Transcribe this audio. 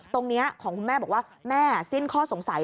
ตรงนี้ของคุณแม่บอกว่าแม่สิ้นข้อสงสัย